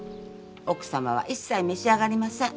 奥様は一切召し上がりません。